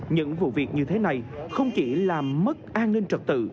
những vụ việc như thế này không chỉ làm mất an ninh trật tự